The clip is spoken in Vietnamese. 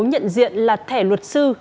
nhận diện là thẻ luật sư